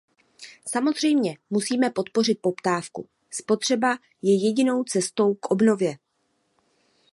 Samozřejmě musíme podpořit poptávku; spotřeba je jedinou cestou k obnově.